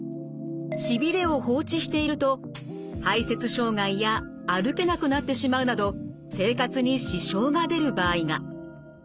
しびれを放置していると排せつ障害や歩けなくなってしまうなど生活に支障が出る場合が。